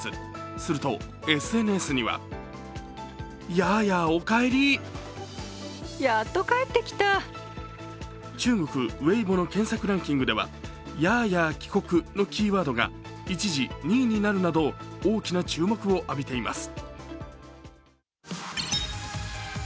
するとＳＮＳには中国・Ｗｅｉｂｏの検索ランキングでは「ヤーヤー帰国」のキーワードが一時２位になるなど大きな注目を浴びています。